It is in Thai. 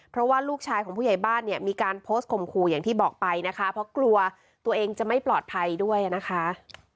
เพราะว่าลูกชายของผู้ใหญ่บ้านเนี่ยมีการโพสต์ข่มขู่อย่างที่บอกไปนะคะเพราะกลัวตัวเองจะไม่ปลอดภัยด้วยนะคะ